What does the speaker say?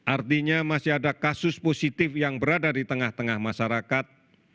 artinya masih ada kasus positif yang berada di tengah tengah masyarakat